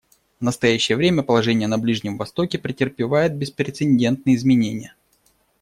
В настоящее время положение на Ближнем Востоке претерпевает беспрецедентные изменения.